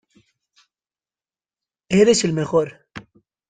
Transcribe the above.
¡Eres el mejor!